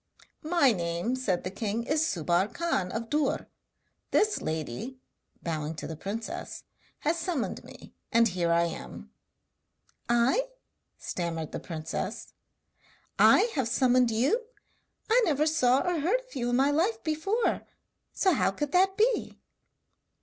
'My name,' said the king, 'is Subbar Khan of Dûr. This lady,' bowing to the princess, 'has summoned me, and here I am!' 'I?' stammered the princess 'I have summoned you? I never saw or heard of you in my life before, so how could that be?'